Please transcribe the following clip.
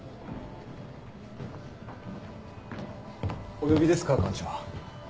お呼びですか館長。